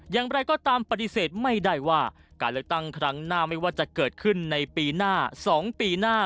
อย่างไรก็ตามปฏิเสธไม่ได้ว่าการเลือกตั้งครั้งหน้าไม่ว่าจะเกิดขึ้นในปีหน้า๒ปีหน้า